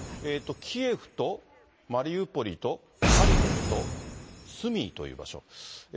キエフとマリウポリとハリコフとスミーという場所。